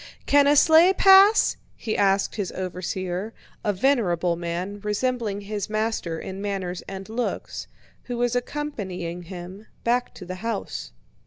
"Can a sleigh pass?" he asked his overseer, a venerable man, resembling his master in manners and looks, who was accompanying him back to the house.